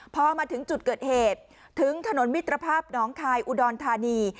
พอมาถึงจุดเกิดเหตุถึงถนนมิตรภาพน้องคายอุดรธานี